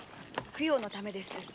供養のためです。